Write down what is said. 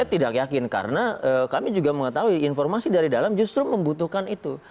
saya tidak yakin karena kami juga mengetahui informasi dari dalam justru membutuhkan itu